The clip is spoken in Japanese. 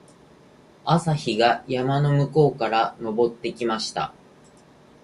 朝日が山の向こうから昇ってきました。